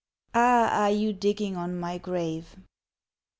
"AH, ARE YOU DIGGING ON MY GRAVE?"